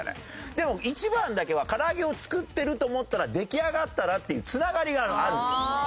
でも１番だけは「からあげを作ってると思ったら出来上がったら」っていう繋がりがあるの。